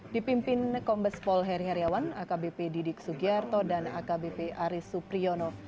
dipimpin kombes pol heriawan akbp didik sugiyarto dan akbp aris supriyono